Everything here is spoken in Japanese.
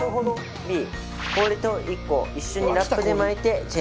Ｂ氷と１個一緒にラップで巻いてチンする。